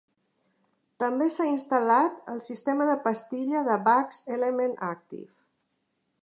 També s'ha instal·lat el sistema de pastilla de Baggs Element Active.